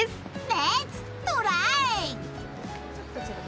レッツトライ！